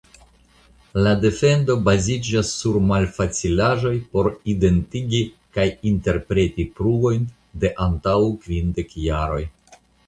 La defendo baziĝis sur malfacilaĵoj por identigi kaj interpreti pruvojn de antaŭ kvindek jaroj.